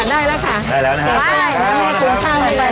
ได้แล้วนะฮะ